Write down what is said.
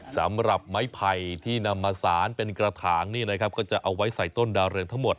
สำหรับไม้ไผ่ที่นำมาสารเป็นกระถางนี่นะครับก็จะเอาไว้ใส่ต้นดาวเรืองทั้งหมด